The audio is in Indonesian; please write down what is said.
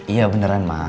iya beneran ma